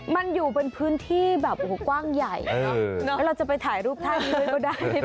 มันอยู่เป็นพื้นที่แบบโอ้โหกว้างใหญ่เราจะไปถ่ายรูปท่านี้ก็ได้